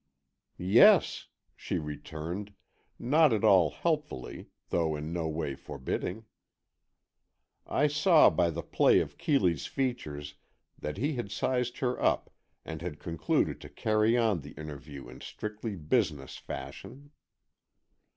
"Yes," she returned, not at all helpfully, though in no way forbidding. I saw by the play of Keeley's features that he had sized her up and had concluded to carry on the interview in strictly business fashion.